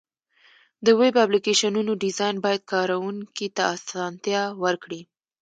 د ویب اپلیکیشنونو ډیزاین باید کارونکي ته اسانتیا ورکړي.